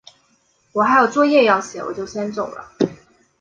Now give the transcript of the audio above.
我还有作业要写，我就先走了。